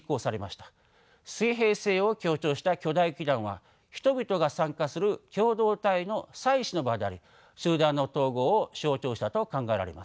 水平性を強調した巨大基壇は人々が参加する共同体の祭祀の場であり集団の統合を象徴したと考えられます。